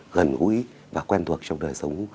gần úi và quen thuộc trong đời sống